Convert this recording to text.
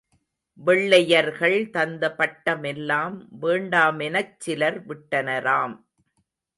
வெள்ளையர் தந்த பட்டமெலாம் வேண்டா மெனச்சிலர் விட்டனராம்.